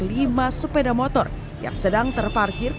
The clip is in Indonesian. lima sepeda motor yang sedang terparkir